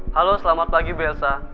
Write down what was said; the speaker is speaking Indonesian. halo selamat pagi belsa